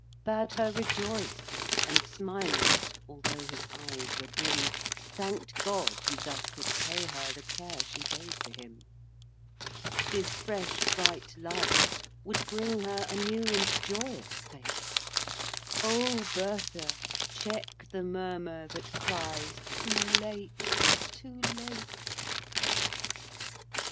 VI. Bade her rejoice, and smiling, Although his eyes were dim, Thank'd God he thus could pay her The care she gave to him. This fresh bright life would bring her A new and joyous fate— O Bertha, check the murmur That cries, Too late! too late!